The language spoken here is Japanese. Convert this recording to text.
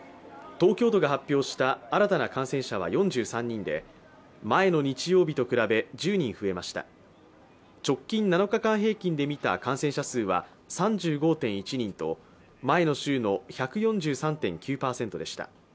東京都が発表した新たな感染者は４３人で前の日曜日と比べ、１０人増えました直近７日間平均でみた感染者数は３５．１人と、前の週の１４３．９％でした。